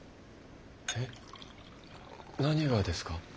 え何がですか？